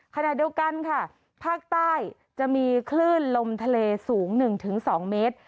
ขณะเดียวกันค่ะภาคใต้จะมีคลื่นลมทะเลสูง๑๒เมตร